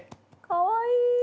かわいい。